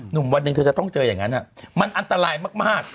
วันหนึ่งเธอจะต้องเจออย่างนั้นมันอันตรายมาก